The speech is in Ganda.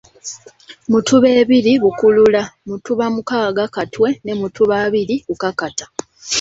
Mutuba ebiri Bukulula, mutuba mukaaga Katwe ne mutuba abiri Bukakata.